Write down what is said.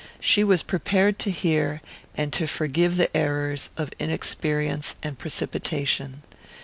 She was prepared to hear and to forgive the errors of inexperience and precipitation.